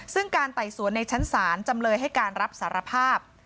ซึ่งการไต่สวนในชั้นศาลจำเลยให้การรับสารภาพ